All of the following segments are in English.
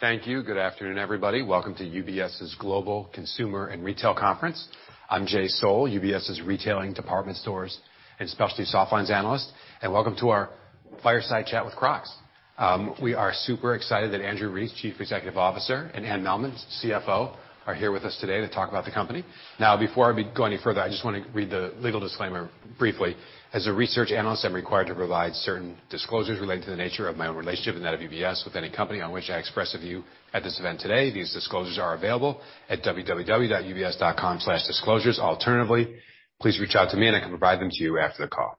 Thank you. Good afternoon, everybody. Welcome to UBS's Global Consumer and Retail Conference. I'm Jay Sole, UBS's retailing department stores and specialty soft lines analyst. Welcome to our fireside chat with Crocs. We are super excited that Andrew Rees, Chief Executive Officer, and Anne Mehlman, CFO, are here with us today to talk about the company. Now, before we go any further, I just wanna read the legal disclaimer briefly. As a research analyst, I'm required to provide certain disclosures related to the nature of my own relationship and that of UBS with any company on which I express a view at this event today. These disclosures are available at www.ubs.com/disclosures. Alternatively, please reach out to me, and I can provide them to you after the call.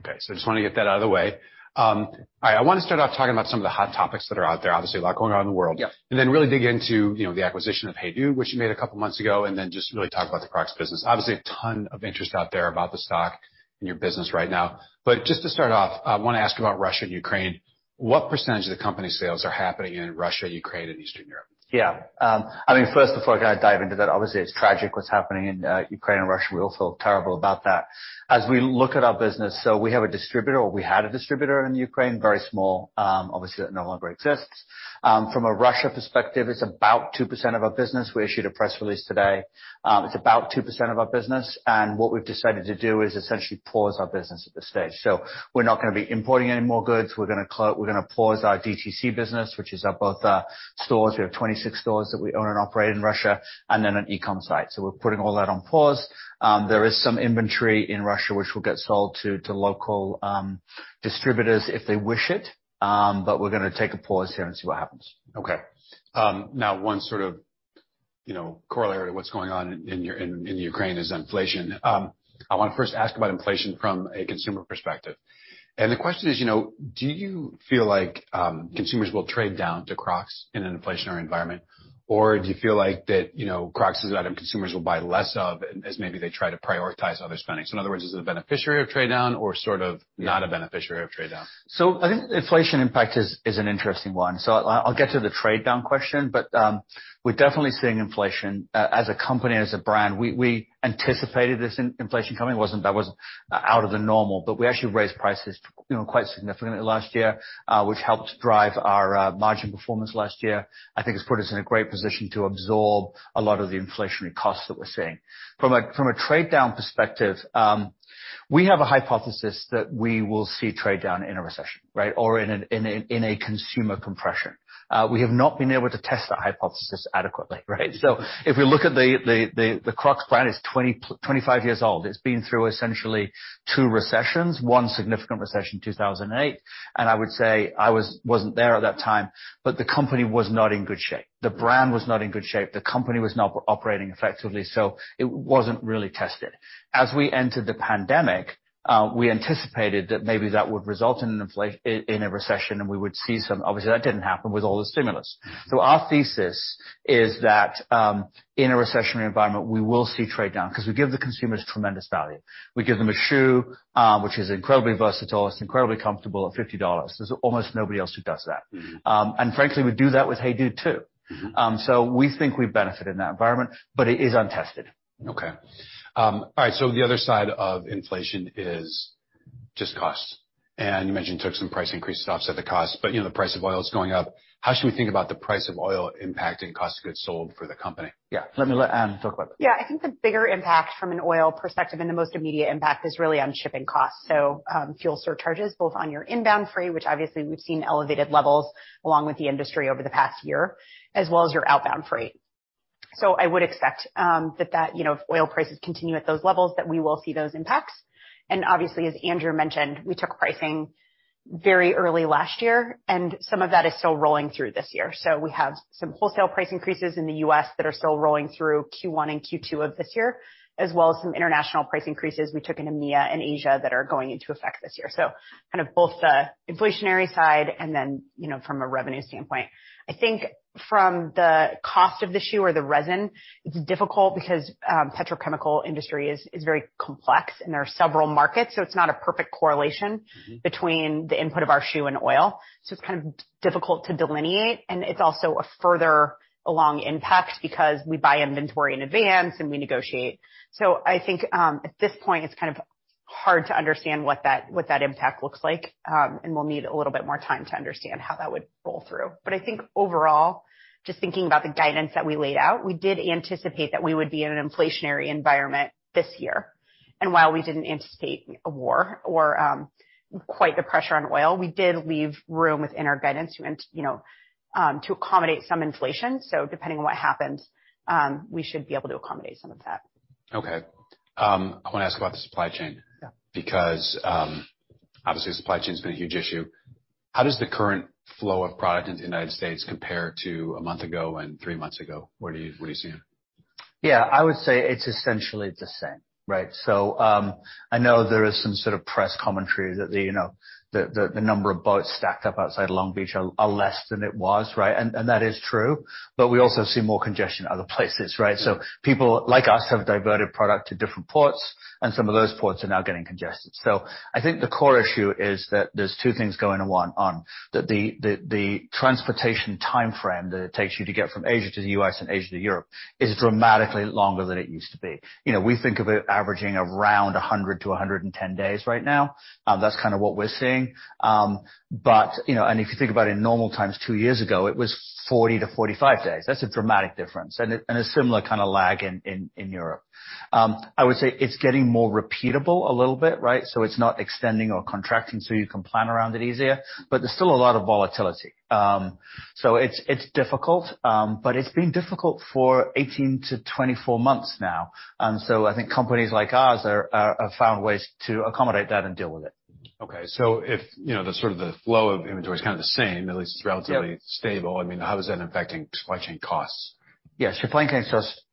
Okay, so I just wanna get that out of the way. All right, I wanna start off talking about some of the hot topics that are out there. Obviously, a lot going on in the world. Yeah. Really dig into, you know, the acquisition of HEYDUDE, which you made a couple months ago, and then just really talk about the Crocs business. Obviously, a ton of interest out there about the stock and your business right now. Just to start off, I wanna ask about Russia and Ukraine. What percentage of the company's sales are happening in Russia, Ukraine, and Eastern Europe? Yeah. I mean, first before I kinda dive into that, obviously it's tragic what's happening in Ukraine and Russia. We all feel terrible about that. As we look at our business, we have a distributor, or we had a distributor in Ukraine, very small, obviously that no longer exists. From a Russia perspective, it's about 2% of our business. We issued a press release today. It's about 2% of our business, and what we've decided to do is essentially pause our business at this stage. We're not gonna be importing any more goods. We're gonna pause our DTC business, which is both our stores. We have 26 stores that we own and operate in Russia and then an e-com site. We're putting all that on pause. There is some inventory in Russia which will get sold to local distributors if they wish it. We're gonna take a pause here and see what happens. Okay. Now one sort of, you know, corollary to what's going on in Ukraine is inflation. I wanna first ask about inflation from a consumer perspective. The question is, you know, do you feel like consumers will trade down to Crocs in an inflationary environment? Or do you feel like that, you know, Crocs is an item consumers will buy less of as maybe they try to prioritize other spending? In other words, is it a beneficiary of trade down or sort of not a beneficiary of trade down? I think inflation impact is an interesting one. I'll get to the trade down question, but we're definitely seeing inflation. As a company and as a brand, we anticipated this inflation coming. That wasn't out of the normal, but we actually raised prices, you know, quite significantly last year, which helped drive our margin performance last year. I think it's put us in a great position to absorb a lot of the inflationary costs that we're seeing. From a trade down perspective, we have a hypothesis that we will see trade down in a recession, right, or in a consumer compression. We have not been able to test that hypothesis adequately, right? If we look at the Crocs brand is 25 years old. It's been through essentially two recessions, one significant recession in 2008. I would say I wasn't there at that time, but the company was not in good shape. The brand was not in good shape. The company was not operating effectively, so it wasn't really tested. As we entered the pandemic, we anticipated that maybe that would result in a recession, and we would see some. Obviously, that didn't happen with all the stimulus. Our thesis is that in a recessionary environment, we will see trade down 'cause we give the consumers tremendous value. We give them a shoe which is incredibly versatile, it's incredibly comfortable at $50. There's almost nobody else who does that. Mm-hmm. Frankly, we do that with HEYDUDE too. Mm-hmm. We think we benefit in that environment, but it is untested. Okay. All right, the other side of inflation is just cost. You mentioned took some price increases to offset the cost, but you know, the price of oil is going up. How should we think about the price of oil impacting cost of goods sold for the company? Yeah. Let me let Anne talk about that. Yeah. I think the bigger impact from an oil perspective and the most immediate impact is really on shipping costs. Fuel surcharges, both on your inbound freight, which obviously we've seen elevated levels along with the industry over the past year, as well as your outbound freight. I would expect that, you know, if oil prices continue at those levels, that we will see those impacts. Obviously, as Andrew mentioned, we took pricing very early last year, and some of that is still rolling through this year. We have some wholesale price increases in the U.S. that are still rolling through Q1 and Q2 of this year, as well as some international price increases we took in EMEA and Asia that are going into effect this year. Kind of both the inflationary side and then, you know, from a revenue standpoint. I think from the cost of the shoe or the resin, it's difficult because petrochemical industry is very complex and there are several markets, so it's not a perfect correlation Mm-hmm. between the inputs of our shoes and oil. It's kind of difficult to delineate, and it's also a further along impact because we buy inventory in advance and we negotiate. I think at this point it's kind of hard to understand what that impact looks like, and we'll need a little bit more time to understand how that would roll through. I think overall, just thinking about the guidance that we laid out, we did anticipate that we would be in an inflationary environment this year. While we didn't anticipate a war or quite the pressure on oil, we did leave room within our guidance to you know, to accommodate some inflation. Depending on what happens, we should be able to accommodate some of that. Okay. I wanna ask about the supply chain. Yeah. Obviously, supply chain's been a huge issue. How does the current flow of product into the United States compare to a month ago and three months ago? What are you seeing? Yeah. I would say it's essentially the same, right? I know there is some sort of press commentary that the number of boats stacked up outside Long Beach are less than it was, right? That is true. We also see more congestion other places, right? People like us have diverted product to different ports, and some of those ports are now getting congested. I think the core issue is that there's two things going on. The transportation timeframe that it takes you to get from Asia to the U.S. and Asia to Europe is dramatically longer than it used to be. You know, we think of it averaging around 100 to 110 days right now. That's kinda what we're seeing. You know, if you think about in normal times two years ago, it was 40 to 45 days. That's a dramatic difference, and a similar kinda lag in Europe. I would say it's getting more repeatable a little bit, right? It's not extending or contracting, so you can plan around it easier. There's still a lot of volatility. It's difficult, but it's been difficult for 18 to 24 months now. I think companies like ours have found ways to accommodate that and deal with it. Okay. If you know, the sort of flow of inventory is kind of the same, at least it's relatively Yep. stable, I mean, how is that impacting supply chain costs? Yes. Supply chain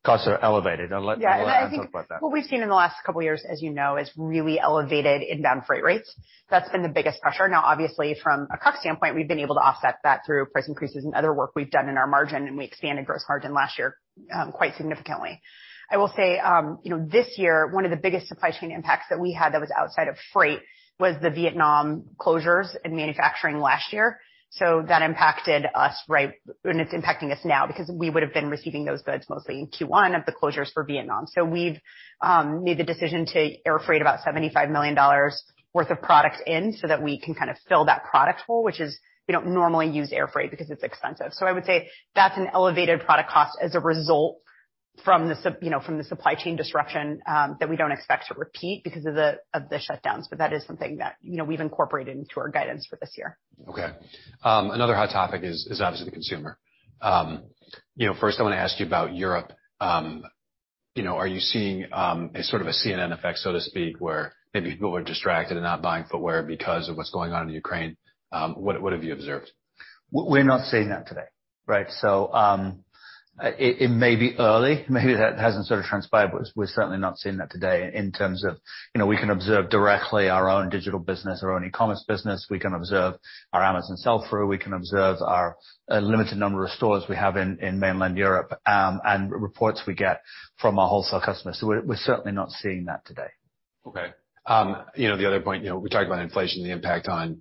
costs are elevated. I'll let Anne talk about that. Yeah. I think what we've seen in the last couple years, as you know, is really elevated inbound freight rates. That's been the biggest pressure. Now obviously from a cost standpoint, we've been able to offset that through price increases and other work we've done in our margin, and we expanded gross margin last year, quite significantly. I will say, you know, this year, one of the biggest supply chain impacts that we had that was outside of freight was the Vietnam closures in manufacturing last year. So that impacted us right and it's impacting us now because we would've been receiving those goods mostly in Q1 of the closures for Vietnam. We've made the decision to air freight about $75 million worth of product in so that we can kind of fill that product hole, which is we don't normally use air freight because it's expensive. I would say that's an elevated product cost as a result you know, from the supply chain disruption that we don't expect to repeat because of the shutdowns. But that is something that, you know, we've incorporated into our guidance for this year. Okay. Another hot topic is obviously the consumer. You know, first I wanna ask you about Europe. You know, are you seeing a sort of a CNN effect, so to speak, where maybe people are distracted and not buying footwear because of what's going on in Ukraine? What have you observed? We're not seeing that today, right? It may be early, maybe that hasn't sort of transpired, but we're certainly not seeing that today in terms of. You know, we can observe directly our own digital business, our own e-commerce business. We can observe our Amazon sell-through. We can observe our limited number of stores we have in mainland Europe, and reports we get from our wholesale customers. We're certainly not seeing that today. Okay. You know, the other point, you know, we talked about inflation, the impact on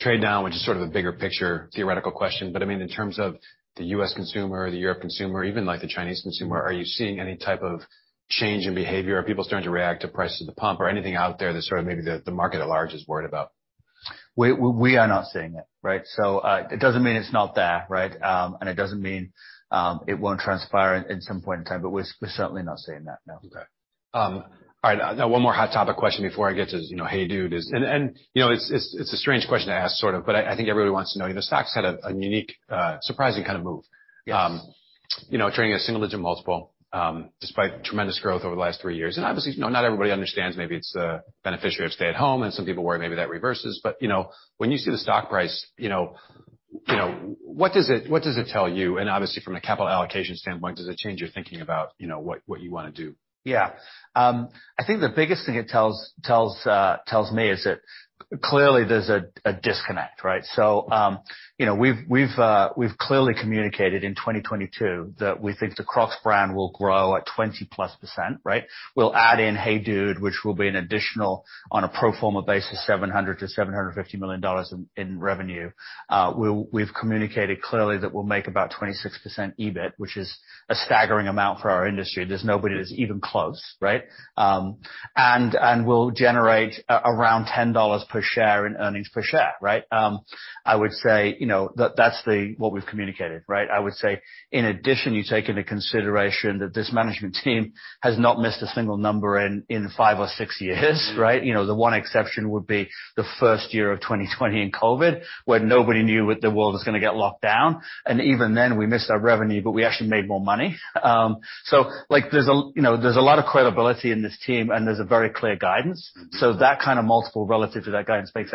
trade now, which is sort of a bigger picture theoretical question. I mean, in terms of the U.S. consumer, the Europe consumer, even like the Chinese consumer, are you seeing any type of change in behavior? Are people starting to react to prices at the pump or anything out there that sort of maybe the market at large is worried about? We are not seeing it, right? It doesn't mean it's not there, right? It doesn't mean it won't transpire at some point in time, but we're certainly not seeing that, no. Okay. All right, now one more hot topic question before I get to, you know, HEYDUDE. You know, it's a strange question to ask sort of, but I think everybody wants to know. You know, stock's had a unique, surprising kind of move. Yes. You know, trading a single digit multiple, despite tremendous growth over the last three years. Obviously, you know, not everybody understands maybe it's a beneficiary of stay at home, and some people worry maybe that reverses. You know, when you see the stock price, you know, what does it tell you? Obviously from a capital allocation standpoint, does it change your thinking about, you know, what you wanna do? Yeah. I think the biggest thing it tells me is that clearly there's a disconnect, right? You know, we've clearly communicated in 2022 that we think the Crocs brand will grow at 20%+, right? We'll add in HEYDUDE, which will be an additional on a pro forma basis, $700 million to $750 million in revenue. We've communicated clearly that we'll make about 26% EBIT, which is a staggering amount for our industry. There's nobody that's even close, right? We'll generate around $10 per share in earnings per share, right? I would say, you know, that's what we've communicated, right? I would say in addition, you take into consideration that this management team has not missed a single number in five or six years, right? Mm-hmm. You know, the one exception would be the first year of 2020 in COVID, where nobody knew what the world was gonna get locked down. Even then, we missed our revenue, but we actually made more money. So like, you know, there's a lot of credibility in this team, and there's a very clear guidance. Mm-hmm. That kind of multiple relative to that guidance makes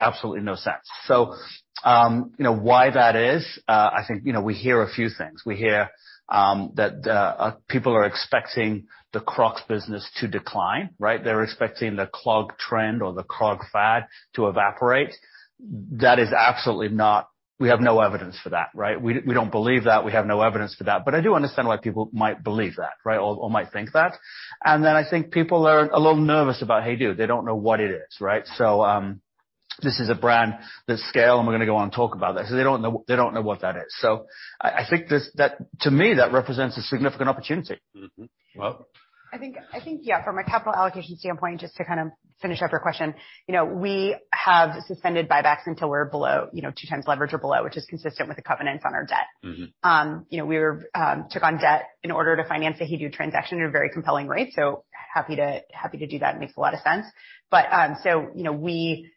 absolutely no sense. You know, why that is, I think, you know, we hear a few things. We hear that people are expecting the Crocs business to decline, right? They're expecting the clog trend or the clog fad to evaporate. That is absolutely not. We have no evidence for that, right? We don't believe that. We have no evidence for that. But I do understand why people might believe that, right? Or might think that. And then I think people are a little nervous about HEYDUDE. They don't know what it is, right? This is a brand that scales, and we're gonna go on and talk about that. They don't know what that is. I think that, to me, represents a significant opportunity. Mm-hmm. I think, yeah, from a capital allocation standpoint, just to kind of finish up your question, you know, we have suspended buybacks until we're below, you know, 2 times leverage or below, which is consistent with the covenants on our debt. Mm-hmm. You know, took on debt in order to finance the HEYDUDE transaction at a very compelling rate. Happy to do that. It makes a lot of sense. You know, we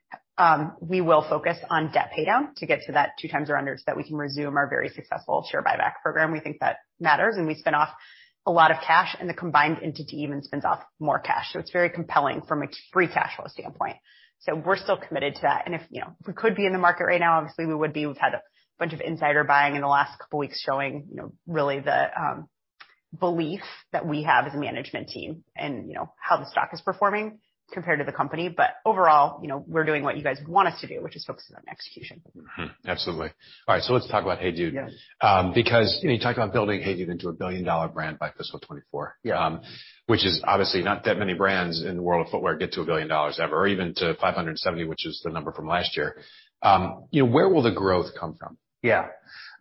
will focus on debt paydown to get to that 2x or under so that we can resume our very successful share buyback program. We think that matters, and we spin off a lot of cash, and the combined entity even spins off more cash. It's very compelling from a free cash flow standpoint. We're still committed to that. If you know, we could be in the market right now, obviously we would be. We've had a bunch of insider buying in the last couple weeks showing you know, really the the belief that we have as a management team and, you know, how the stock is performing compared to the company. Overall, you know, we're doing what you guys want us to do, which is focusing on execution. Absolutely. All right, let's talk about HEYDUDE. Yes. Because you know, you talk about building HEYDUDE into a billion-dollar brand by fiscal 2024. Yeah. which is obviously not that many brands in the world of footwear get to $1 billion ever or even to $570 million, which is the number from last year. You know, where will the growth come from? Yeah.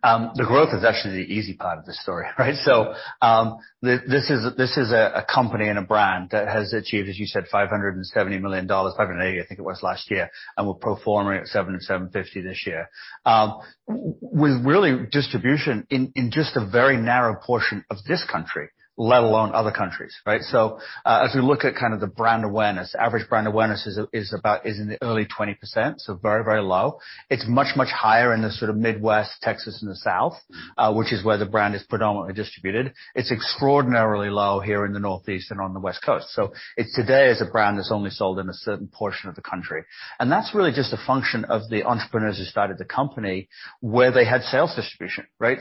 The growth is actually the easy part of the story, right? This is a company and a brand that has achieved, as you said, $570 million, $580 million, I think it was last year, and we're pro forma at $700 million to $750 million this year. With really distribution in just a very narrow portion of this country, let alone other countries, right? As we look at kind of the brand awareness, average brand awareness is about in the early 20%, so very, very low. It's much, much higher in the sort of Midwest, Texas, and the South, Mm-hmm which is where the brand is predominantly distributed. It's extraordinarily low here in the Northeast and on the West Coast. It's today a brand that's only sold in a certain portion of the country. That's really just a function of the entrepreneurs who started the company where they had sales distribution, right?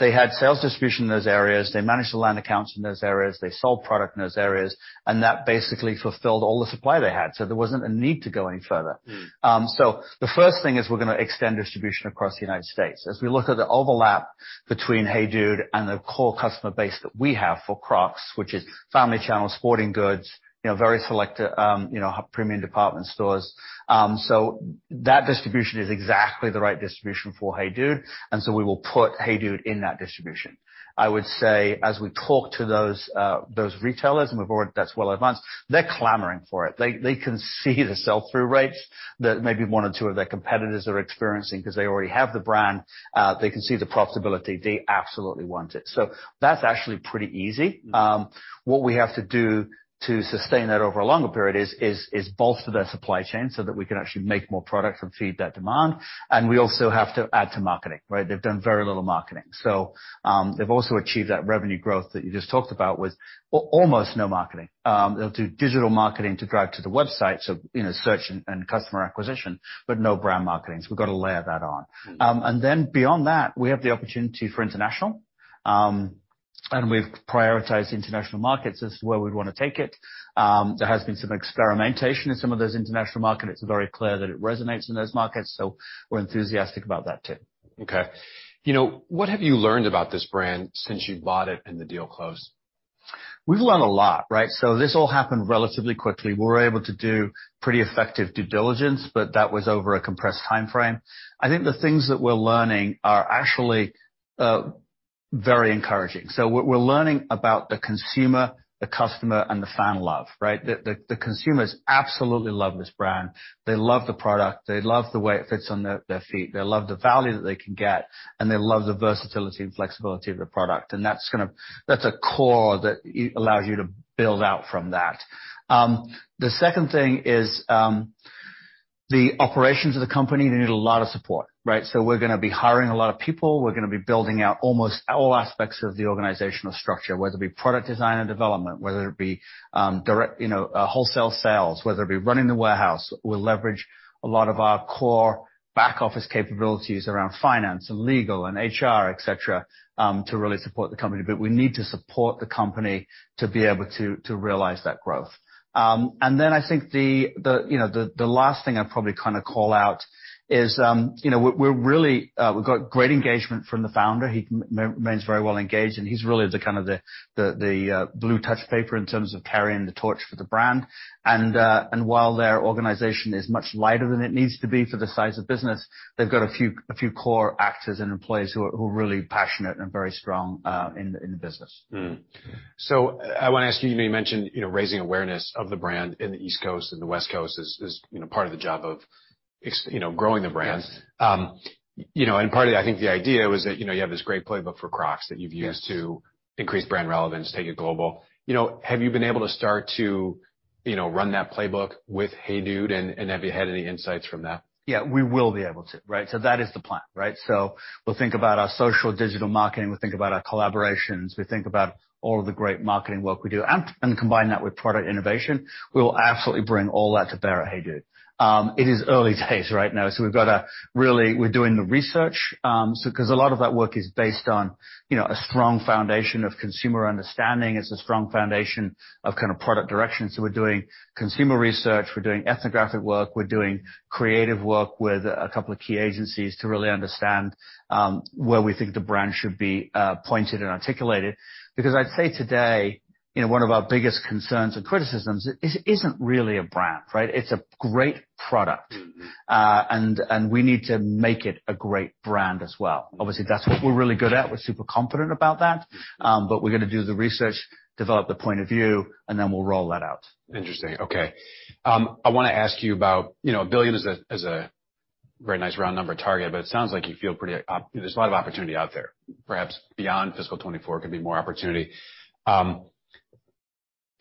They had sales distribution in those areas. They managed to land accounts in those areas. They sold product in those areas, and that basically fulfilled all the supply they had. There wasn't a need to go any further. Mm. The first thing is we're gonna extend distribution across the United States. As we look at the overlap between HEYDUDE and the core customer base that we have for Crocs, which is Family Channel, Sporting Goods, you know, very selected, you know, premium department stores. That distribution is exactly the right distribution for HEYDUDE, and so we will put HEYDUDE in that distribution. I would say as we talk to those retailers, that's well advanced. They're clamoring for it. They can see the sell-through rates that maybe one or two of their competitors are experiencing 'cause they already have the brand. They can see the profitability. They absolutely want it. That's actually pretty easy. What we have to do to sustain that over a longer period is bolster their supply chain so that we can actually make more product and feed that demand. We also have to add to marketing, right? They've done very little marketing. They've also achieved that revenue growth that you just talked about with almost no marketing. They'll do digital marketing to drive to the website, so you know, search and customer acquisition, but no brand marketing. We've got to layer that on. Mm. Beyond that, we have the opportunity for international. We've prioritized international markets as to where we'd wanna take it. There has been some experimentation in some of those international markets. It's very clear that it resonates in those markets, so we're enthusiastic about that too. Okay. You know, what have you learned about this brand since you bought it and the deal closed? We've learned a lot, right? This all happened relatively quickly. We were able to do pretty effective due diligence, but that was over a compressed timeframe. I think the things that we're learning are actually very encouraging. We're learning about the consumer, the customer, and the fan love, right? The consumers absolutely love this brand. They love the product. They love the way it fits on their feet. They love the value that they can get, and they love the versatility and flexibility of the product. That's a core that allows you to build out from that. The second thing is, the operations of the company, they need a lot of support, right? We're gonna be hiring a lot of people. We're gonna be building out almost all aspects of the organizational structure, whether it be product design and development, whether it be direct wholesale sales, whether it be running the warehouse. We'll leverage a lot of our core back office capabilities around finance and legal and HR, et cetera, to really support the company. We need to support the company to be able to realize that growth. I think the last thing I'd probably kinda call out is we've got great engagement from the founder. He remains very well engaged, and he's really the kind of blue touch paper in terms of carrying the torch for the brand. While their organization is much lighter than it needs to be for the size of business, they've got a few core actors and employees who are really passionate and very strong in the business. I wanna ask you know, you mentioned, you know, raising awareness of the brand in the East Coast and the West Coast is, you know, part of the job of growing the brand. Yes. You know, part of that, I think the idea was that, you know, you have this great playbook for Crocs that you've used. Yes To increase brand relevance, take it global. You know, have you been able to start to, you know, run that playbook with HEYDUDE, and have you had any insights from that? Yeah, we will be able to, right? That is the plan, right? We'll think about our social digital marketing. We'll think about our collaborations. We think about all of the great marketing work we do and combine that with product innovation. We will absolutely bring all that to bear at HEYDUDE. It is early days right now, so we've got to really. We're doing the research, because a lot of that work is based on, you know, a strong foundation of consumer understanding. It's a strong foundation of kind of product direction. We're doing consumer research. We're doing ethnographic work. We're doing creative work with a couple of key agencies to really understand where we think the brand should be pointed and articulated. Because I'd say today, you know, one of our biggest concerns or criticisms is it isn't really a brand, right? It's a great product. Mm. We need to make it a great brand as well. Mm-hmm. Obviously, that's what we're really good at. We're super confident about that. We're gonna do the research, develop the point of view, and then we'll roll that out. Interesting. Okay. I wanna ask you about, you know, $1 billion is a very nice round number target, but it sounds like you feel there's a lot of opportunity out there. Perhaps beyond fiscal 2024 could be more opportunity.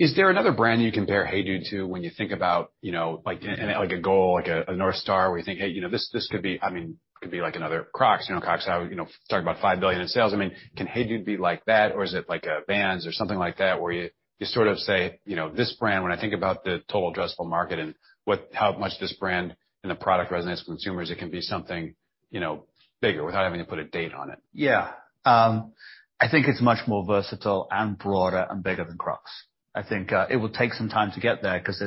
Is there another brand you compare HEYDUDE to when you think about, you know, like and like a goal, like a North Star, where you think, "Hey, you know, this could be, I mean, could be like another Crocs." You know, Crocs have, you know, talked about $5 billion in sales. I mean, can HEYDUDE be like that, or is it like a Vans or something like that, where you sort of say, you know, this brand, when I think about the total addressable market and what, how much this brand and the product resonates with consumers, it can be something, you know, bigger without having to put a date on it. Yeah. I think it's much more versatile and broader and bigger than Crocs. I think it will take some time to get there 'cause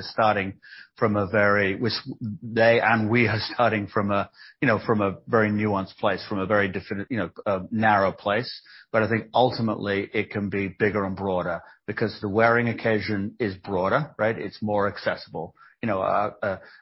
they and we are starting from a, you know, from a very nuanced place, from a very different, you know, narrow place. I think ultimately it can be bigger and broader because the wearing occasion is broader, right? It's more accessible. You know,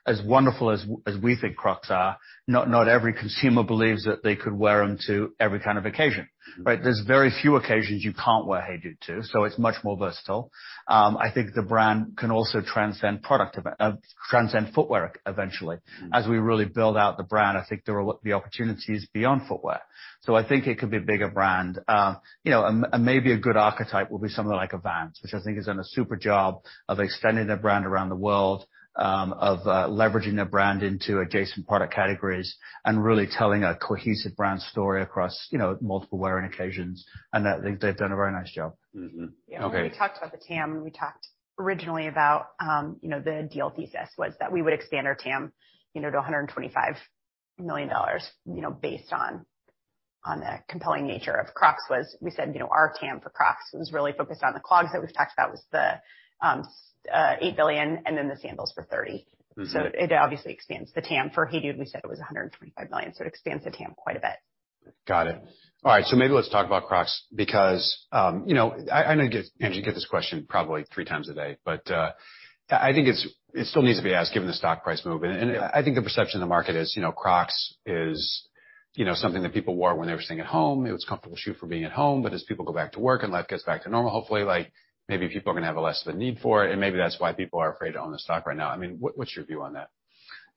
as wonderful as we think Crocs are, not every consumer believes that they could wear them to every kind of occasion, right? There's very few occasions you can't wear HEYDUDE to, so it's much more versatile. I think the brand can also transcend footwear eventually. As we really build out the brand, I think there are the opportunities beyond footwear. I think it could be a bigger brand. You know, and maybe a good archetype will be something like a Vans, which I think has done a super job of extending their brand around the world, of leveraging their brand into adjacent product categories and really telling a cohesive brand story across, you know, multiple wearing occasions. I think they've done a very nice job. Mm-hmm. Yeah. Okay. When we talked about the TAM, we talked originally about, you know, the deal thesis was that we would expand our TAM, you know, to $125 million, you know, based on the compelling nature of Crocs. We said, you know, our TAM for Crocs was really focused on the clogs that we've talked about, the $8 billion and then the sandals for $30 billion. Mm-hmm. It obviously expands the TAM for HEYDUDE. We said it was $125 million, so it expands the TAM quite a bit. Got it. All right, maybe let's talk about Crocs because, you know, I know Andrew, you get this question probably three times a day, but I think it still needs to be asked given the stock price movement. Yeah. I think the perception of the market is, you know, Crocs is, you know, something that people wore when they were sitting at home. It was a comfortable shoe for being at home. But as people go back to work and life gets back to normal, hopefully, like maybe people are gonna have less of a need for it, and maybe that's why people are afraid to own the stock right now. I mean, what's your view on that?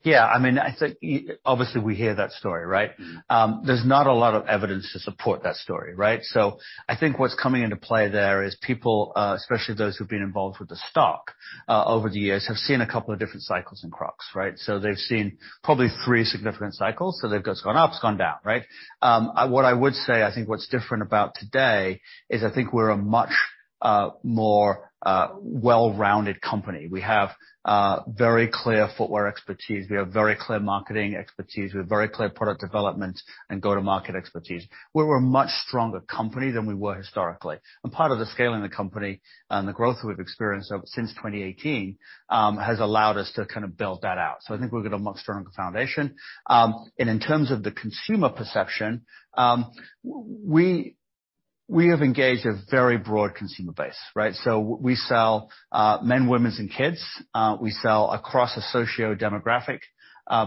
Yeah, I mean, I think obviously we hear that story, right? Mm. There's not a lot of evidence to support that story, right? I think what's coming into play there is people, especially those who've been involved with the stock over the years, have seen a couple of different cycles in Crocs, right? They've seen probably three significant cycles. They've just gone up, it's gone down, right? What I would say, I think what's different about today is I think we're a much more well-rounded company. We have very clear footwear expertise. We have very clear marketing expertise. We have very clear product development and go-to-market expertise. We're a much stronger company than we were historically. Part of the scaling of the company and the growth we've experienced since 2018 has allowed us to kind of build that out. I think we've got a much stronger foundation. In terms of the consumer perception, we have engaged a very broad consumer base, right? We sell men's, women's and kids'. We sell across a socio-demographic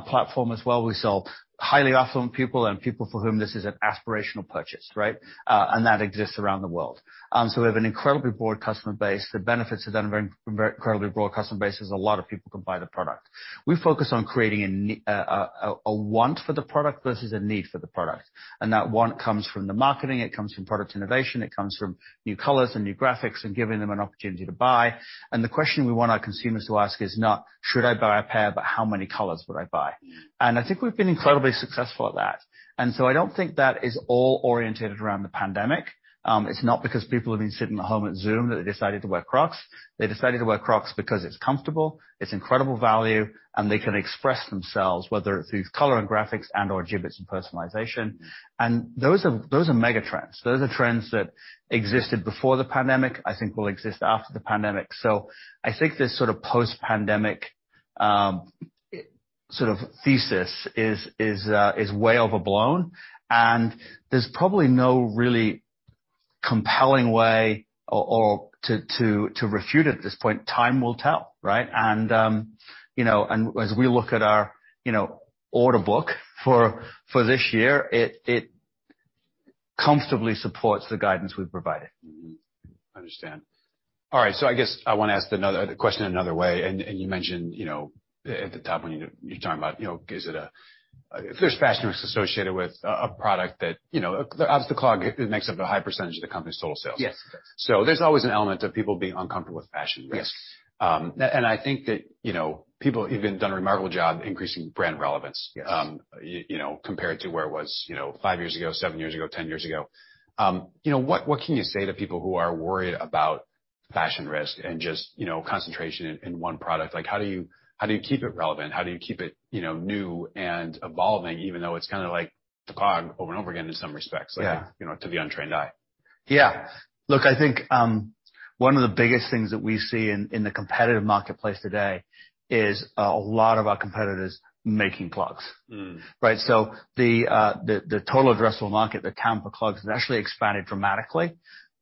platform as well. We sell to highly affluent people and people for whom this is an aspirational purchase, right? That exists around the world. We have an incredibly broad customer base. The benefits of an incredibly broad customer base is a lot of people can buy the product. We focus on creating a want for the product versus a need for the product. That want comes from the marketing. It comes from product innovation. It comes from new colors and new graphics and giving them an opportunity to buy. The question we want our consumers to ask is not, "Should I buy a pair?" But, "How many colors would I buy?" I think we've been incredibly successful at that. I don't think that is all oriented around the pandemic. It's not because people have been sitting at home on Zoom that they decided to wear Crocs. They decided to wear Crocs because it's comfortable, it's incredible value, and they can express themselves, whether it's through color and graphics and/or Jibbitz and personalization. Those are megatrends. Those are trends that existed before the pandemic, I think will exist after the pandemic. I think this sort of post-pandemic sort of thesis is way overblown, and there's probably no really compelling way or to refute it at this point. Time will tell, right? You know, as we look at our you know order book for this year, it comfortably supports the guidance we've provided. Understand. All right, I guess I wanna ask the question another way. You mentioned, you know, at the top when you're talking about, you know, there's fashion risk associated with a product that, you know, obviously the clog makes up a high percentage of the company's total sales. Yes. There's always an element of people being uncomfortable with fashion risk. Yes. I think that, you know, people even done a remarkable job increasing brand relevance. Yes. You know, compared to where it was, you know, five years ago, seven years ago, 10 years ago. You know, what can you say to people who are worried about fashion risk and just, you know, concentration in one product? Like, how do you keep it relevant? How do you keep it, you know, new and evolving, even though it's kinda like the clog over and over again in some respects? Yeah. like, you know, to the untrained eye? Yeah. Look, I think, one of the biggest things that we see in the competitive marketplace today is a lot of our competitors making clogs. Mm. Right? The total addressable market, the TAM for clogs, has actually expanded dramatically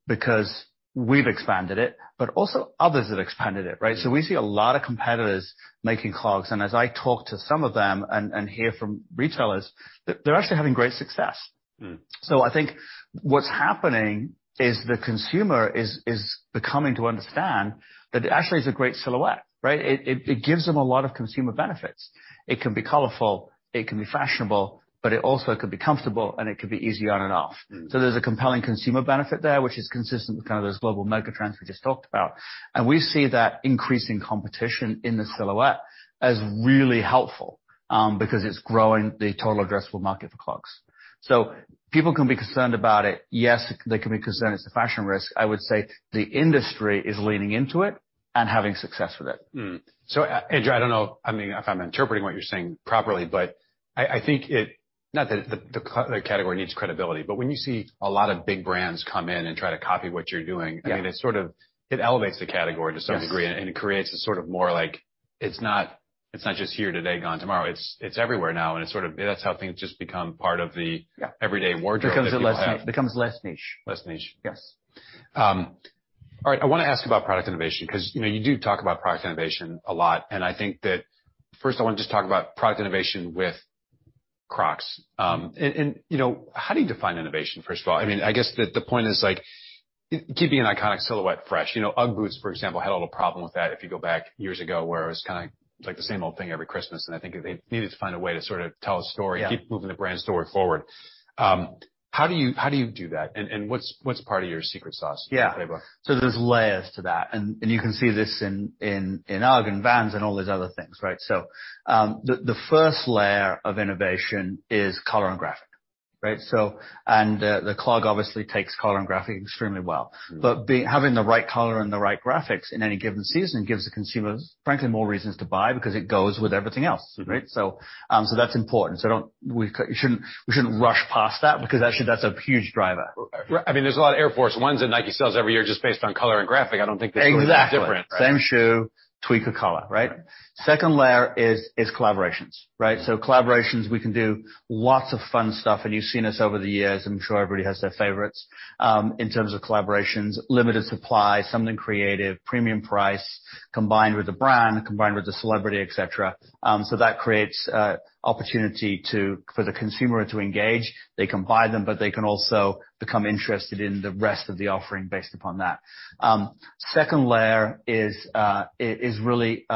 because we've expanded it, but also others have expanded it, right? We see a lot of competitors making clogs. As I talk to some of them and hear from retailers, they're actually having great success. Mm. I think what's happening is the consumer is beginning to understand that actually it's a great silhouette, right? It gives them a lot of consumer benefits. It can be colorful, it can be fashionable, but it also could be comfortable, and it could be easy on and off. Mm. There's a compelling consumer benefit there, which is consistent with kind of those global megatrends we just talked about. We see that increasing competition in the silhouette as really helpful, because it's growing the total addressable market for clogs. People can be concerned about it. Yes, they can be concerned it's a fashion risk. I would say the industry is leaning into it and having success with it. Andrew, I don't know, I mean, if I'm interpreting what you're saying properly, but I think it not that the category needs credibility, but when you see a lot of big brands come in and try to copy what you're doing. Yeah. I mean, it sort of, it elevates the category to some degree. Yes. It creates a sort of more like it's not just here today, gone tomorrow. It's everywhere now, and it's sort of. That's how things just become part of the Yeah everyday wardrobe that people have. Becomes less niche. Less niche. Yes. All right, I wanna ask about product innovation because, you know, you do talk about product innovation a lot. I think that first I want to just talk about product innovation with Crocs. You know, how do you define innovation, first of all? I mean, I guess the point is, like, keeping an iconic silhouette fresh. You know, UGG boots, for example, had a little problem with that if you go back years ago, where it was kinda like the same old thing every Christmas, and I think they needed to find a way to sort of tell a story. Yeah Keep moving the brand story forward. How do you do that? What's part of your secret sauce or playbook? Yeah. There's layers to that. You can see this in UGG and Vans and all these other things, right? The first layer of innovation is color and graphic, right? The clog obviously takes color and graphic extremely well. Mm. Having the right color and the right graphics in any given season gives the consumers frankly more reasons to buy because it goes with everything else. Mm-hmm. Right? That's important. We shouldn't rush past that because actually that's a huge driver. Right. I mean, there's a lot of Air Force 1s that Nike sells every year just based on color and graphic. I don't think that's going to be different, right? Exactly. Same shoe, tweak the color, right? Right. Second layer is collaborations, right? Collaborations, we can do lots of fun stuff, and you've seen us over the years. I'm sure everybody has their favorites. In terms of collaborations, limited supply, something creative, premium price, combined with a brand, combined with a celebrity, et cetera. That creates opportunity to, for the consumer to engage. They can buy them, but they can also become interested in the rest of the offering based upon that. Second layer is really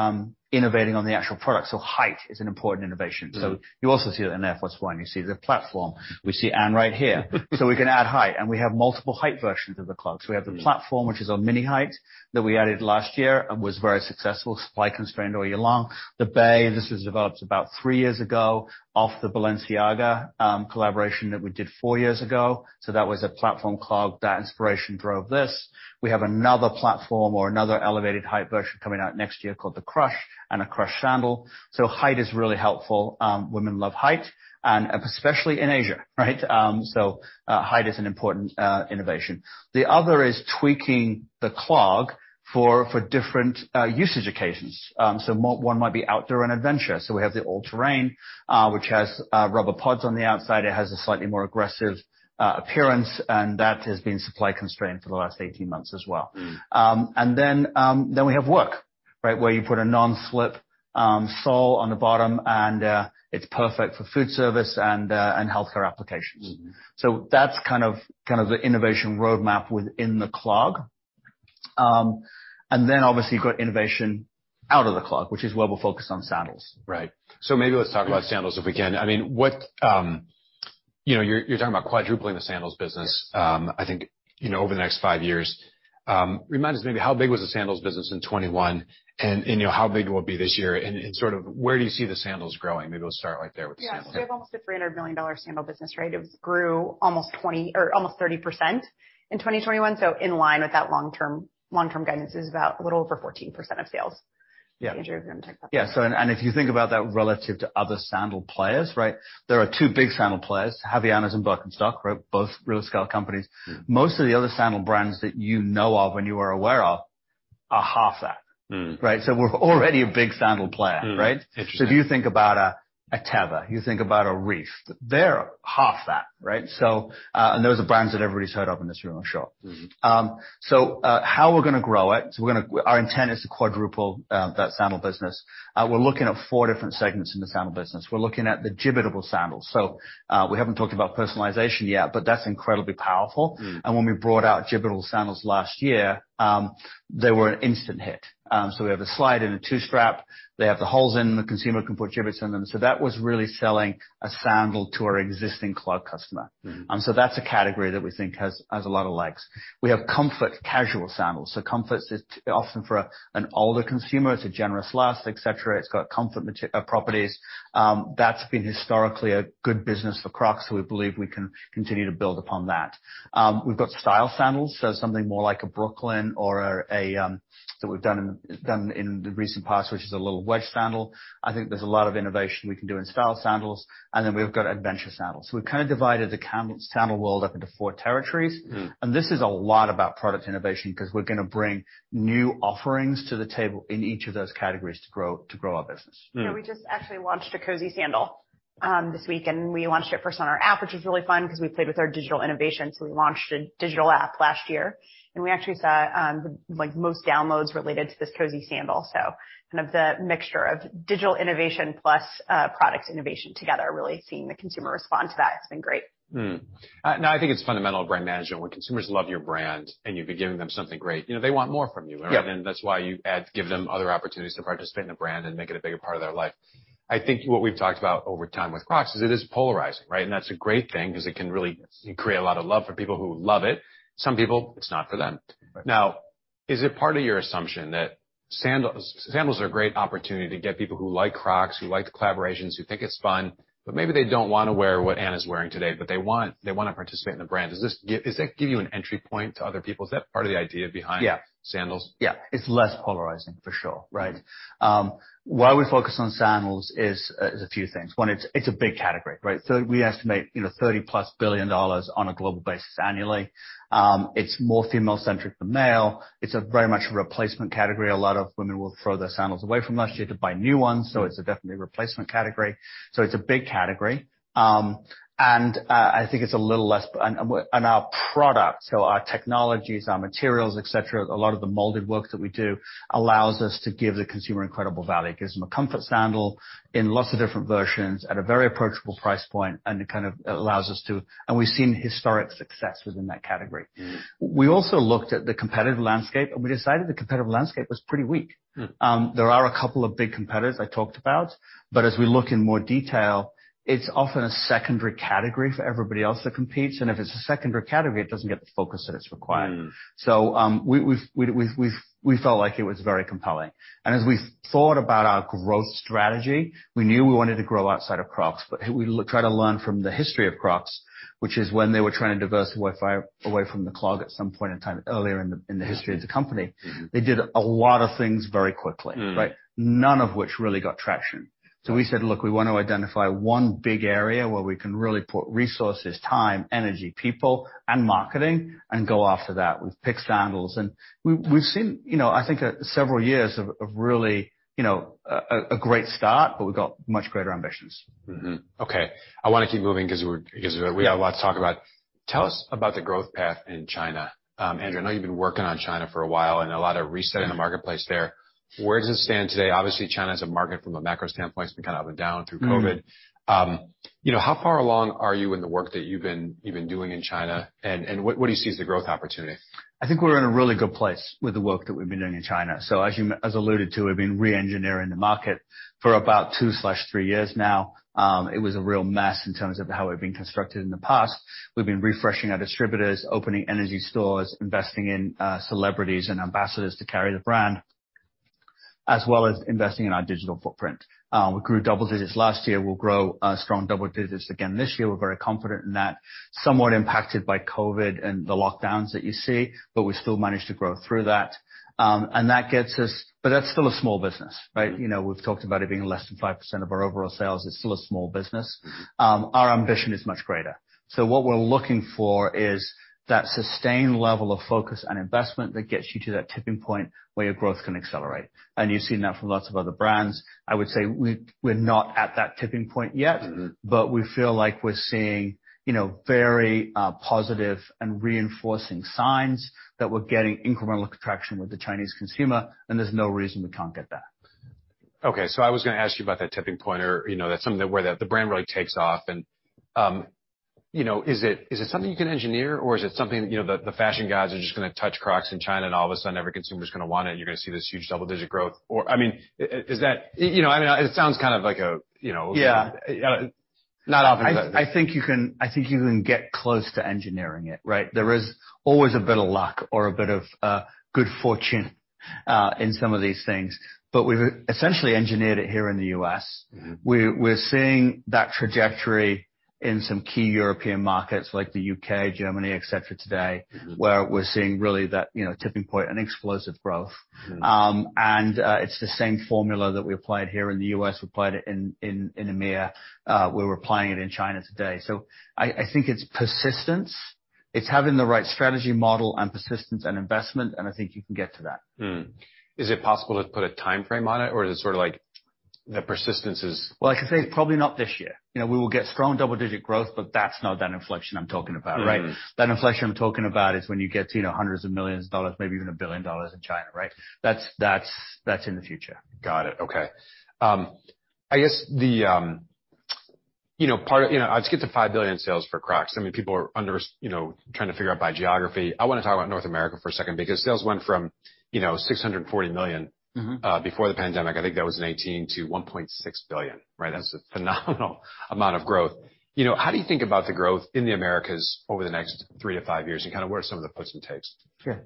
innovating on the actual product. Height is an important innovation. Mm. You also see it in Air Force 1. You see the platform. We see Anne right here. We can add height, and we have multiple height versions of the clogs. Yeah. We have the platform, which is our mini height that we added last year and was very successful. Supply constrained all year long. The Bae, this was developed about three years ago off the Balenciaga collaboration that we did four years ago. That was a platform clog. That inspiration drove this. We have another platform or another elevated height version coming out next year called the Crush and a Crush sandal. Height is really helpful. Women love height, and especially in Asia, right? Height is an important innovation. The other is tweaking the clog for different usage occasions. One might be outdoor and adventure, so we have the All-Terrain, which has rubber pods on the outside. It has a slightly more aggressive appearance, and that has been supply-constrained for the last 18 months as well. Mm. We have work, right? Where you put a non-slip sole on the bottom and it's perfect for food service and healthcare applications. Mm-hmm. That's kind of the innovation roadmap within the clog. Obviously you've got innovation out of the clog, which is where we're focused on sandals. Right. Maybe let's talk about sandals if we can. I mean, what, you know, you're talking about quadrupling the sandals business. Yes I think, you know, over the next five years. Remind us maybe how big was the sandals business in 2021, and, you know, how big it will be this year and sort of where do you see the sandals growing? Maybe we'll start right there with the sandals. Yeah. We have almost a $300 million sandal business, right? It grew almost 20 or almost 30% in 2021, so in line with that long-term guidance. It was about a little over 14% of sales. Yeah. Andrew, if you wanna talk about that. Yeah. If you think about that relative to other sandal players, right? There are two big sandal players, Havaianas and Birkenstock, right? Both real scale companies. Mm. Most of the other sandal brands that you know of and you are aware of are half that. Mm. Right? We're already a big sandal player, right? Interesting. If you think about a Teva, you think about a Reef, they're half that, right? Those are brands that everybody's heard of in this room, I'm sure. Mm-hmm. How we're gonna grow it. Our intent is to quadruple that sandal business. We're looking at four different segments in the sandal business. We're looking at the Jibbitable sandals. We haven't talked about personalization yet, but that's incredibly powerful. Mm. When we brought out Jibbitable sandals last year, they were an instant hit. We have a slide and a two strap. They have the holes in them. The consumer can put Jibbitz in them. That was really selling a sandal to our existing clog customer. Mm-hmm. That's a category that we think has a lot of legs. We have comfort casual sandals. Comfort's often for an older consumer. It's a generous last, et cetera. It's got comfort material properties. That's been historically a good business for Crocs, so we believe we can continue to build upon that. We've got style sandals, so something more like a Brooklyn or that we've done in the recent past, which is a little wedge sandal. I think there's a lot of innovation we can do in style sandals, and then we've got adventure sandals. We've kind of divided the clog-and-sandal world up into four territories. Mm. This is a lot about product innovation, 'cause we're gonna bring new offerings to the table in each of those categories to grow our business. Mm. Yeah, we just actually launched a Cozzzy Sandal this week, and we launched it first on our app, which was really fun because we played with our digital innovation. We launched a digital app last year, and we actually saw, like, the most downloads related to this Cozzzy Sandal. Kind of the mixture of digital innovation plus product innovation together, really seeing the consumer respond to that. It's been great. No, I think it's fundamental brand management. When consumers love your brand and you've been giving them something great, you know, they want more from you, right? Yeah. That's why you add, give them other opportunities to participate in the brand and make it a bigger part of their life. I think what we've talked about over time with Crocs is it is polarizing, right? That's a great thing 'cause it can really create a lot of love for people who love it. Some people, it's not for them. Right. Is it part of your assumption that sandals are a great opportunity to get people who like Crocs, who like the collaborations, who think it's fun, but maybe they don't wanna wear what Anne's wearing today, but they wanna participate in the brand. Does that give you an entry point to other people? Is that part of the idea behind Yeah. Sandals? Yeah. It's less polarizing, for sure, right? Why we focus on sandals is a few things. One, it's a big category, right? We estimate, you know, $30+ billion on a global basis annually. It's more female-centric than male. It's a very much a replacement category. A lot of women will throw their sandals away from last year to buy new ones, so it's definitely a replacement category. It's a big category. I think it's a little less. Our products, our technologies, our materials, et cetera, a lot of the molded work that we do allows us to give the consumer incredible value. Gives them a comfort sandal in lots of different versions at a very approachable price point, and it kind of allows us to. We've seen historic success within that category. Mm. We also looked at the competitive landscape, and we decided the competitive landscape was pretty weak. Mm. There are a couple of big competitors I talked about, but as we look in more detail, it's often a secondary category for everybody else that competes. If it's a secondary category, it doesn't get the focus that it's required. Mm. We felt like it was very compelling. As we thought about our growth strategy, we knew we wanted to grow outside of Crocs. We try to learn from the history of Crocs, which is when they were trying to diversify away from the clog at some point in time earlier in the history of the company. Mm-hmm. They did a lot of things very quickly. Mm. None of which really got traction. We said, "Look, we wanna identify one big area where we can really put resources, time, energy, people and marketing and go after that." We've picked sandals. We've seen, you know, I think several years of really, you know, a great start, but we've got much greater ambitions. Mm-hmm. Okay, I wanna keep moving 'cause we've a lot to talk about. Tell us about the growth path in China. Andrew, I know you've been working on China for a while, and a lot of resetting the marketplace there. Where does it stand today? Obviously, China as a market from a macro standpoint has been kinda up and down through COVID. You know, how far along are you in the work that you've been doing in China? What do you see as the growth opportunity? I think we're in a really good place with the work that we've been doing in China. As you alluded to, we've been re-engineering the market for about two or three years now. It was a real mess in terms of how we've been constructed in the past. We've been refreshing our distributors, opening new stores, investing in celebrities and ambassadors to carry the brand, as well as investing in our digital footprint. We grew double digits last year. We'll grow strong double digits again this year. We're very confident in that. Somewhat impacted by COVID and the lockdowns that you see, but we still managed to grow through that. That's still a small business, right? You know, we've talked about it being less than 5% of our overall sales. It's still a small business. Our ambition is much greater. What we're looking for is that sustained level of focus and investment that gets you to that tipping point where your growth can accelerate. You've seen that from lots of other brands. I would say we're not at that tipping point yet. Mm-hmm. We feel like we're seeing, you know, very, positive and reinforcing signs that we're getting incremental traction with the Chinese consumer, and there's no reason we can't get that. Okay. I was gonna ask you about that tipping point or, you know, that's something where the brand really takes off and, you know, is it something you can engineer or is it something that, you know, the fashion gods are just gonna touch Crocs in China and all of a sudden every consumer's gonna want it, you're gonna see this huge double-digit growth? Or, I mean, is that? You know, I mean, it sounds kind of like a, you know. Yeah. Not often. I think you can get close to engineering it, right? There is always a bit of luck or a bit of good fortune in some of these things. We've essentially engineered it here in the U.S. Mm-hmm. We're seeing that trajectory in some key European markets like the U.K., Germany, et cetera, today. Mm-hmm. Where we're seeing really that, you know, tipping point and explosive growth. Mm. It's the same formula that we applied here in the U.S. We applied it in EMEA. We're applying it in China today. I think it's persistence. It's having the right strategy model and persistence and investment, and I think you can get to that. Is it possible to put a timeframe on it, or is it sort of like the persistence is? Well, I can say it's probably not this year. You know, we will get strong double-digit growth, but that's not that inflection I'm talking about, right? Mm. That inflection I'm talking about is when you get to, you know, hundreds of millions of dollars, maybe even $1 billion in China, right? That's in the future. Got it. Okay. You know, let's get to $5 billion sales for Crocs. I mean, people are wondering, you know, trying to figure out by geography. I wanna talk about North America for a second because sales went from, you know, $640 million Mm-hmm. before the pandemic, I think that was in 2018, to $1.6 billion, right? That's a phenomenal amount of growth. You know, how do you think about the growth in the Americas over the next three to five years and kind of where some of the puts and takes? Sure.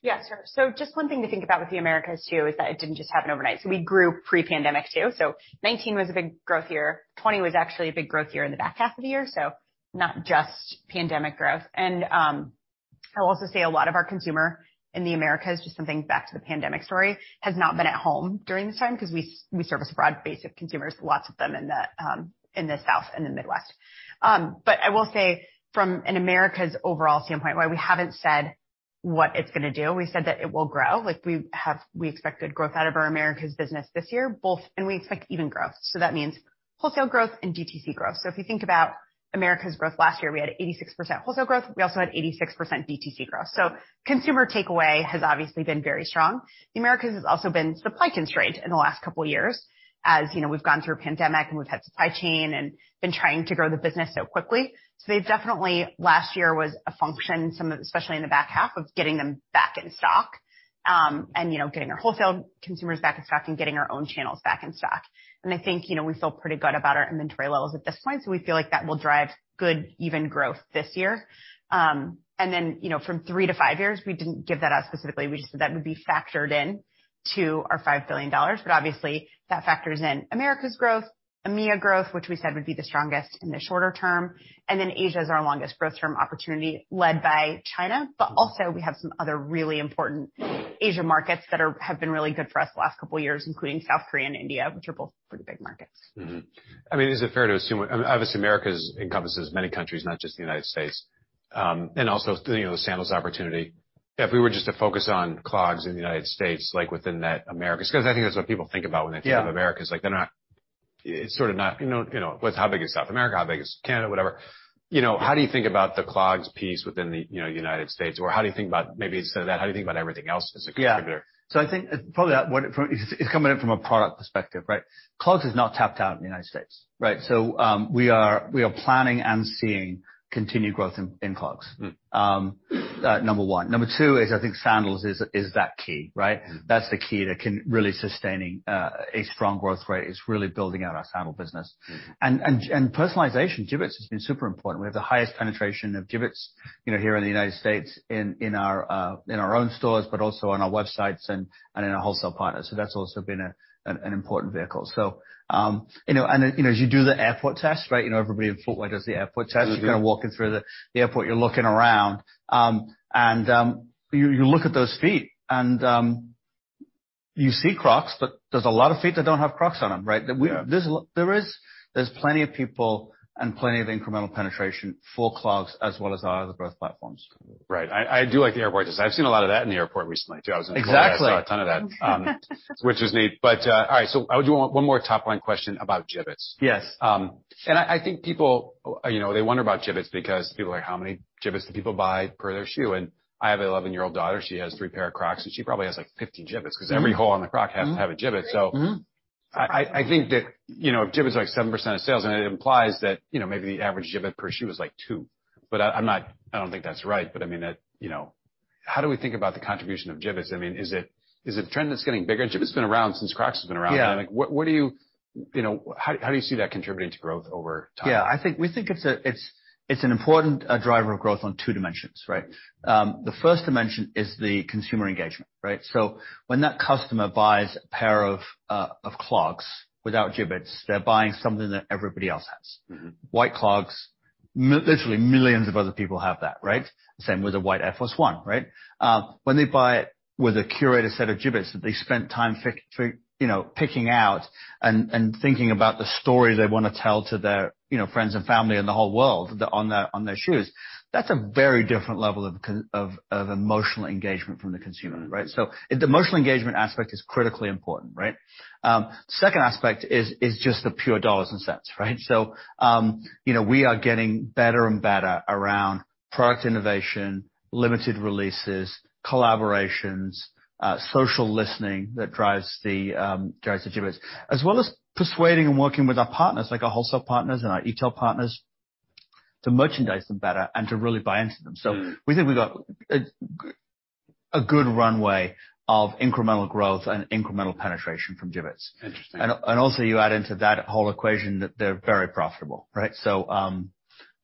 Yeah, sure. Just one thing to think about with the Americas too is that it didn't just happen overnight. We grew pre-pandemic too. 2019 was a big growth year. 2020 was actually a big growth year in the back half of the year. Not just pandemic growth. I'll also say a lot of our consumer in the Americas, just something back to the pandemic story, has not been at home during this time 'cause we service a broad base of consumers, lots of them in the South and the Midwest. I will say from an Americas overall standpoint, why we haven't said what it's gonna do, we said that it will grow like we have. We expect good growth out of our Americas business this year and we expect even growth. That means wholesale growth and DTC growth. If you think about Americas' growth last year, we had 86% wholesale growth. We also had 86% DTC growth. Consumer takeaway has obviously been very strong. The Americas has also been supply constrained in the last couple of years. As you know, we've gone through a pandemic, and we've had supply chain and been trying to grow the business so quickly. They definitely, last year was a function especially in the back half of getting them back in stock, and, you know, getting our wholesale consumers back in stock and getting our own channels back in stock. I think, you know, we feel pretty good about our inventory levels at this point, so we feel like that will drive good even growth this year. You know, from three to five years, we didn't give that out specifically. We just said that would be factored into our $5 billion. Obviously that factors in America's growth, EMEA growth, which we said would be the strongest in the shorter term. Asia is our longest growth term opportunity, led by China. We also have some other really important Asia markets that have been really good for us the last couple of years, including South Korea and India, which are both pretty big markets. I mean, is it fair to assume, obviously, Americas encompasses many countries, not just the United States, and also, you know, the sandals opportunity. If we were just to focus on clogs in the United States, like within that Americas, 'cause I think that's what people think about when they think of Americas. It's sort of not, you know, how big is South America, how big is Canada, whatever. You know, how do you think about the clogs piece within the, you know, United States? Or how do you think about maybe instead of that, how do you think about everything else as a contributor? Yeah. I think probably it's coming in from a product perspective, right? Clogs is not tapped out in the United States, right? We are planning and seeing continued growth in clogs. Number one. Number two is I think sandals is that key, right? Mm-hmm. That's the key to really sustaining a strong growth rate is really building out our sandal business. Mm-hmm. Personalization, Jibbitz, has been super important. We have the highest penetration of Jibbitz, you know, here in the United States, in our own stores, but also on our websites and in our wholesale partners. That's also been an important vehicle. You know, as you do the airport test, right? You know, everybody in footwear does the airport test. Mm-hmm. You're kind of walking through the airport, you're looking around, and you look at those feet and you see Crocs, but there's a lot of feet that don't have Crocs on them, right? Yeah. There's plenty of people and plenty of incremental penetration for clogs as well as our other growth platforms. Right. I do like the airport test. I've seen a lot of that in the airport recently, too. I was in Florida. Exactly. I saw a ton of that, which is neat. All right, so I would do one more top-line question about Jibbitz. Yes. I think people, you know, they wonder about Jibbitz because people are like, how many Jibbitz do people buy per their shoe? I have an 11-year-old daughter, she has three pair of Crocs, and she probably has, like, 50 Jibbitz. Mm-hmm. 'cause every hole on the Crocs has to have a Jibbitz. Mm-hmm. I think that, you know, if Jibbitz is like 7% of sales, then it implies that, you know, maybe the average Jibbit per shoe is like two. But I don't think that's right. But I mean, you know. How do we think about the contribution of Jibbitz? I mean, is it a trend that's getting bigger? Jibbitz been around since Crocs has been around. Yeah. You know, how do you see that contributing to growth over time? We think it's an important driver of growth on two dimensions, right? The first dimension is the consumer engagement, right? When that customer buys a pair of clogs without Jibbitz, they're buying something that everybody else has. Mm-hmm. White clogs, literally millions of other people have that, right? Same with a white AF1, right? When they buy with a curated set of Jibbitz that they spent time you know, picking out and thinking about the story they wanna tell to their, you know, friends and family and the whole world on their shoes, that's a very different level of emotional engagement from the consumer, right? The emotional engagement aspect is critically important, right? Second aspect is just the pure dollars and cents, right? You know, we are getting better and better around product innovation, limited releases, collaborations, social listening that drives the Jibbitz. As well as persuading and working with our partners, like our wholesale partners and our e-tail partners, to merchandise them better and to really buy into them. Mm-hmm. We think we got a good runway of incremental growth and incremental penetration from Jibbitz. Interesting. Also you add into that whole equation that they're very profitable, right?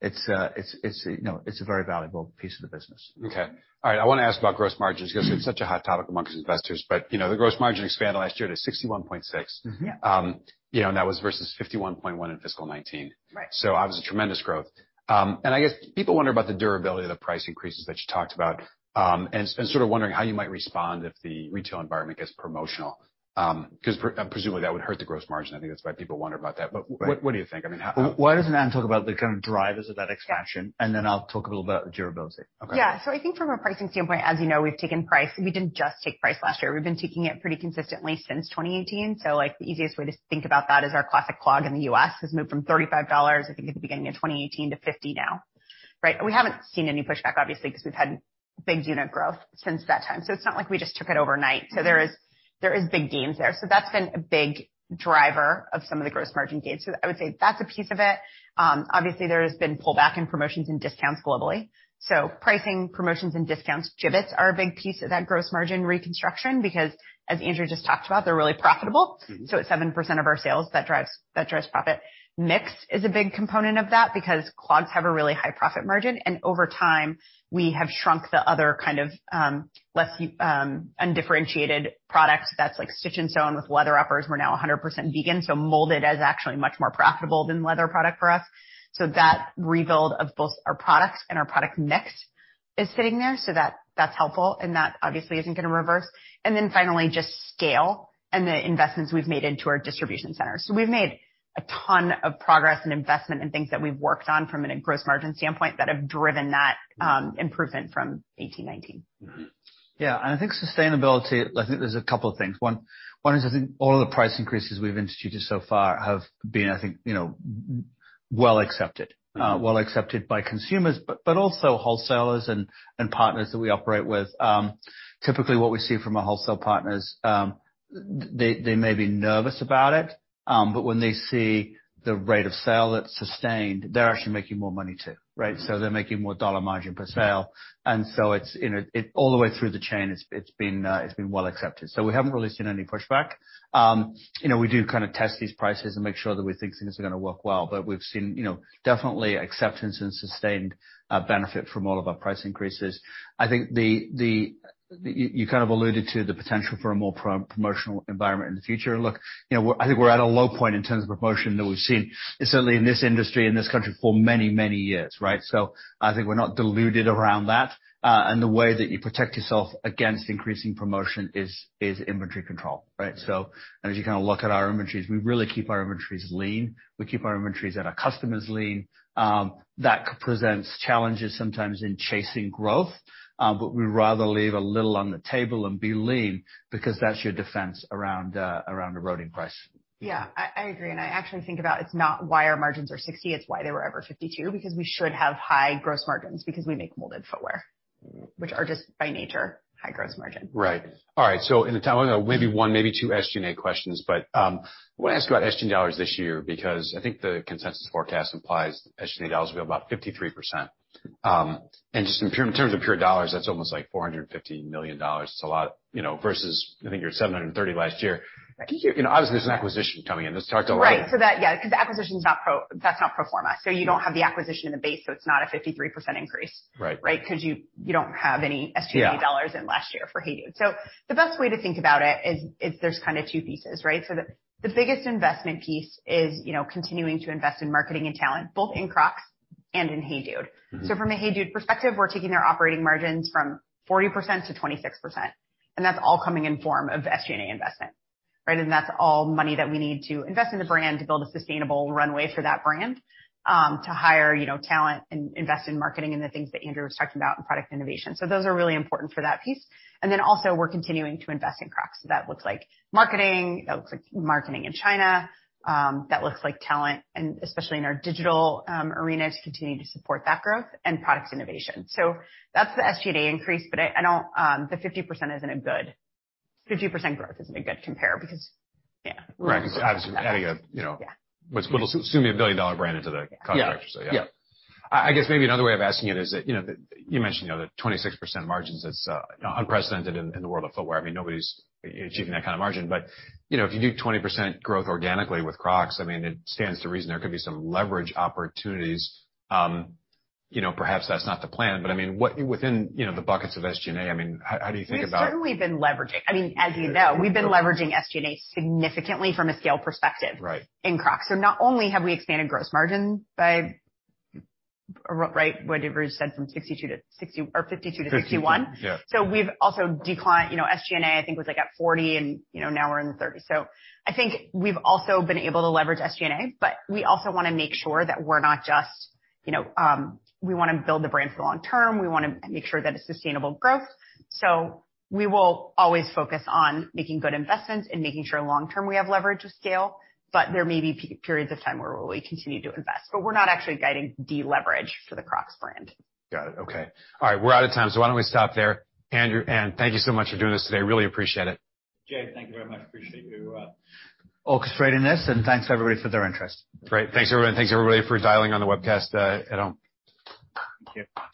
It's, you know, it's a very valuable piece of the business. Okay. All right. I wanna ask about gross margins because it's such a hot topic among investors. You know, the gross margin expanded last year to 61.6%. Mm-hmm. Yeah. You know, that was versus 51.1 in fiscal 2019. Right. Obviously tremendous growth. I guess people wonder about the durability of the price increases that you talked about, and sort of wondering how you might respond if the retail environment gets promotional. 'Cause presumably that would hurt the gross margin. I think that's why people wonder about that. What do you think? I mean, how? Why doesn't Anne talk about the kind of drivers of that expansion, and then I'll talk a little about durability. Okay. Yeah. I think from a pricing standpoint, as you know, we've taken price. We didn't just take price last year. We've been taking it pretty consistently since 2018. Like, the easiest way to think about that is our Classic Clog in the U.S. has moved from $35, I think, at the beginning of 2018 to $50 now. Right? We haven't seen any pushback, obviously, because we've had big unit growth since that time. It's not like we just took it overnight. There is big gains there. That's been a big driver of some of the gross margin gains. I would say that's a piece of it. Obviously, there has been pullback in promotions and discounts globally. Pricing, Promotions, and Discounts. Jibbitz are a big piece of that gross margin reconstruction because as Andrew just talked about, they're really profitable. Mm-hmm. At 7% of our sales, that drives profit. Mix is a big component of that because clogs have a really high profit margin. Over time, we have shrunk the other kind of, less, undifferentiated products that's like stitched and sewn with leather uppers. We're now 100% vegan, so molded is actually much more profitable than leather product for us. That rebuild of both our products and our product mix is sitting there, so that's helpful, and that obviously isn't gonna reverse. Then finally, just scale and the investments we've made into our distribution center. We've made a ton of progress and investment in things that we've worked on from a gross margin standpoint that have driven that, improvement from 18% to 19%. Yeah. I think sustainability. I think there's a couple of things. One is I think all of the price increases we've instituted so far have been, I think, you know, well accepted by consumers, but also wholesalers and partners that we operate with. Typically what we see from our wholesale partners, they may be nervous about it, but when they see the rate of sale that's sustained, they're actually making more money too, right? So they're making more dollar margin per sale, and so it's all the way through the chain, it's been well accepted. So we haven't really seen any pushback. You know, we do kind of test these prices and make sure that we think things are gonna work well. We've seen, you know, definitely acceptance and sustained benefit from all of our price increases. I think you kind of alluded to the potential for a more promotional environment in the future. Look, you know, I think we're at a low point in terms of promotion that we've seen, certainly in this industry and this country for many, many years, right? I think we're not deluded around that. The way that you protect yourself against increasing promotion is inventory control, right? As you kind of look at our inventories, we really keep our inventories lean. We keep our inventories at our customers lean. That presents challenges sometimes in chasing growth, but we'd rather leave a little on the table and be lean because that's your defense around eroding price. Yeah. I agree. I actually think it's not why our margins are 60%, it's why they were ever 52%, because we should have high gross margins because we make molded footwear, which are just by nature high gross margin. Right. All right. In the time, maybe one, maybe two SG&A questions, but I wanna ask you about SG&A dollars this year because I think the consensus forecast implies SG&A dollars will be about 53%. In terms of pure dollars, that's almost like $450 million. It's a lot, you know, versus I think you're 730 last year. You know, obviously there's an acquisition coming in. Let's talk about that. Right. Yeah, 'cause the acquisition's not pro forma. You don't have the acquisition in the base, so it's not a 53% increase. Right. Right? 'Cause you don't have any SG&A dollars. Yeah. In last year for HEYDUDE. The best way to think about it is, there's kind of two pieces, right? The biggest investment piece is, you know, continuing to invest in marketing and talent, both in Crocs and in HEYDUDE. Mm-hmm. From a HEYDUDE perspective, we're taking their operating margins from 40% to 26%, and that's all coming in the form of SG&A investment, right? That's all money that we need to invest in the brand to build a sustainable runway for that brand, to hire, you know, talent and invest in marketing and the things that Andrew was talking about in product innovation. Those are really important for that piece. Then also we're continuing to invest in Crocs. That looks like marketing, that looks like marketing in China, that looks like talent, and especially in our digital arena to continue to support that growth and product innovation. That's the SG&A increase. I don't, the 50% growth isn't a good compare because yeah. Right. Obviously adding a, you know. Yeah. Which soon to be a billion-dollar brand into the calculation. Yeah. Yeah. I guess maybe another way of asking it is that, you know, you mentioned, you know, the 26% margins that's unprecedented in the world of footwear. I mean, nobody's achieving that kind of margin. You know, if you do 20% growth organically with Crocs, I mean, it stands to reason there could be some leverage opportunities. You know, perhaps that's not the plan, but I mean, what within, you know, the buckets of SG&A, I mean, how do you think about- We've certainly been leveraging. I mean, as you know, we've been leveraging SG&A significantly from a scale perspective. Right. In Crocs, not only have we expanded gross margin by, right, whatever you said, from 62% to 60%, or 52% to 51%. 52, yeah. We've also declined, you know, SG&A I think was like at 40% and, you know, now we're in 30%. I think we've also been able to leverage SG&A, but we also wanna make sure that we're not just, you know, we wanna build the brand for the long term. We wanna make sure that it's sustainable growth. We will always focus on making good investments and making sure long term we have leverage with scale, but there may be periods of time where we continue to invest. We're not actually guiding deleverage for the Crocs brand. Got it. Okay. All right, we're out of time, so why don't we stop there. Andrew and Anne, thank you so much for doing this today. Really appreciate it. Jay, thank you very much. Appreciate you, orchestrating this, and thanks everybody for their interest. Great. Thanks, everyone. Thanks, everybody, for dialing on the webcast, at home. Thank you.